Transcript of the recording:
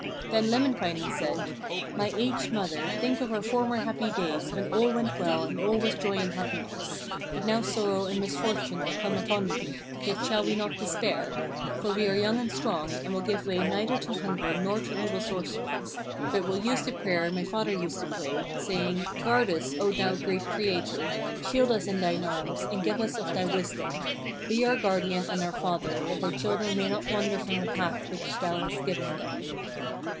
Then Lemminkainen said: 'My aged mother, think of our former happy days, when all went well and all was joy and happiness. But now sorrow and misfortune are come upon me, yet shall we not despair; for we are young and strong, and will give way neither to hunger nor to evil sorcerers, but will use the prayer my father used to pray, saying: "Guard us, O thou great Creator; shield us in thine arms, and give us of thy wisdom. Be our guardian and our Father, that thy children may not wander from the path which thou hast given them."'